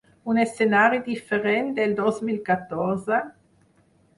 Un escenari diferent del dos mil catorze?